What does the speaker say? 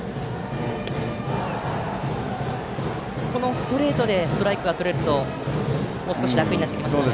ストレートでストライクがとれるともう少し楽になってきますね。